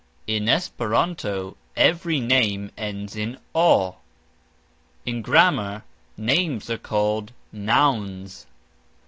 In Esperanto every name ends in "o". (In Grammar names are called NOUNS).